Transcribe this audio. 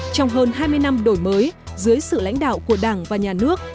trong hơn hai mươi năm đổi mới dưới sự lãnh đạo của đảng và nhà nước